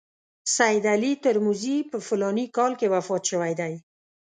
سید علي ترمذي په فلاني کال کې وفات شوی دی.